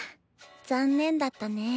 残念だったね。